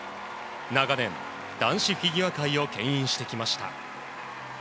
長年男子フィギュアスケート界をけん引してきました。